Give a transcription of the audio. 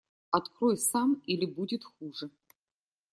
Открой сам, или будет хуже!